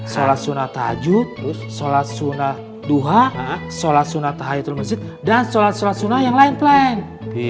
sholat sunnah tahajud sholat sunnah duha sholat sunnah tahayyidul masjid dan sholat sholat sunnah yang lain pleng